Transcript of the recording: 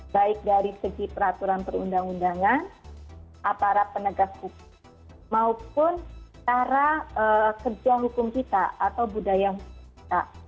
baik dari segi peraturan perundang undangan aparat penegak hukum maupun cara kerja hukum kita atau budaya hukum kita